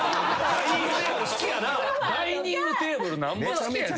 ダイニングテーブルなんぼ好きやねん！